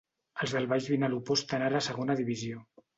Els del Baix Vinalopó estan ara a Segona Divisió.